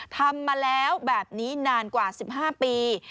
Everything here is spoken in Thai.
ทำมาแล้วแบบนี้นานกว่า๑๕ปี